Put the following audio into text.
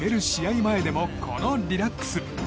前でもこのリラックス。